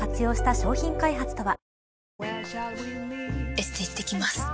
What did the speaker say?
エステ行ってきます。